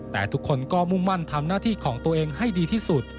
แต่ทุกคนก็มุ่งมั่นทำหน้าที่ของตัวเองให้ดีที่สุด